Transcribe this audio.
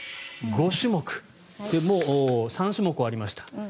５種目もう３種目終わりました。